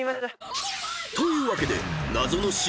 ［というわけで］